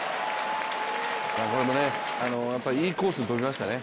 これもねいいコースに飛びましたね。